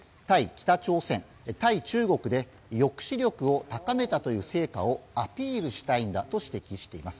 北朝鮮、対中国で抑止力を高めたという成果をアピールしたいんだと指摘しています。